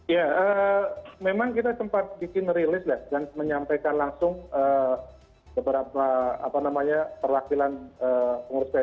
ya memang kita sempat bikin rilis dan menyampaikan langsung beberapa perwakilan pengurus pssi